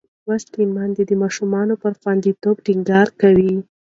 لوستې میندې د ماشوم پر خوندیتوب ټینګار کوي.